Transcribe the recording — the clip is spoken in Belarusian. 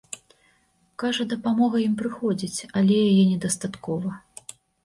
Кажа, дапамога ім прыходзіць, але яе недастаткова.